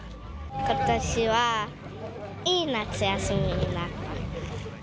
ことしはいい夏休みになった。